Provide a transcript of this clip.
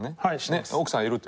奥さんいるって。